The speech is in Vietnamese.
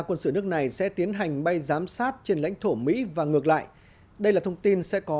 quân sự nước này sẽ tiến hành bay giám sát trên lãnh thổ mỹ và ngược lại đây là thông tin sẽ có